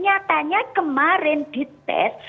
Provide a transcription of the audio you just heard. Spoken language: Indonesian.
nyatanya kemarin di tes